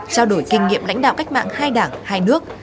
trao đổi kinh nghiệm lãnh đạo cách mạng hai đảng hai nước